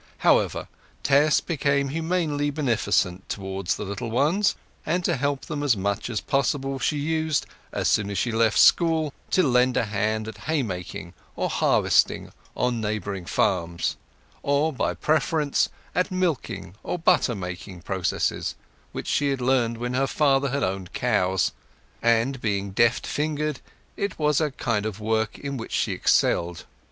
However, Tess became humanely beneficent towards the small ones, and to help them as much as possible she used, as soon as she left school, to lend a hand at haymaking or harvesting on neighbouring farms; or, by preference, at milking or butter making processes, which she had learnt when her father had owned cows; and being deft fingered it was a kind of work in which she excelled.